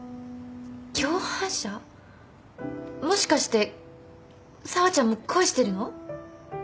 もしかして紗和ちゃんも恋してるの？